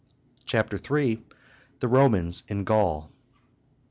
CHAPTER III. THE ROMANS IN GAUL.